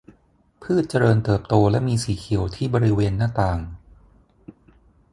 พืชเจริญเติบโตและมีสีเขียวที่บริเวณหน้าต่าง